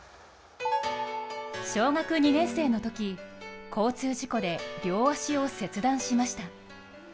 小学２年生のとき交通事故で両足を切断しました。